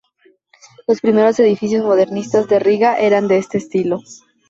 Los primeros edificios modernistas de Riga eran de este estilo.